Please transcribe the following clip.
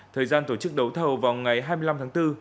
thời gian tổ chức đấu thầu vào ngày hai mươi năm tháng bốn